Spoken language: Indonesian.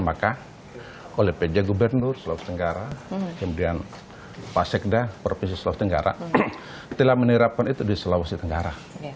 maka oleh pj gubernur sulawesi tenggara kemudian pak sekda provinsi sulawesi tenggara telah menerapkan itu di sulawesi tenggara